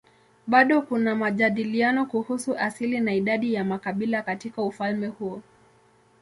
Bado kuna majadiliano kuhusu asili na idadi ya makabila katika ufalme huu.